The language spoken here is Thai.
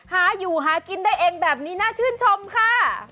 หาอยู่หากินได้เองแบบนี้น่าชื่นชมค่ะ